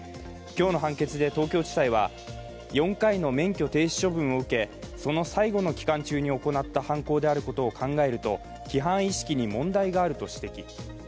今日の判決で東京地裁は、４回の免許停止処分を受け、その最後の期間中に行った犯行であることを考えると規範意識に問題があると指摘。